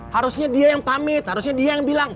harusnya dia yang pamit harusnya dia yang bilang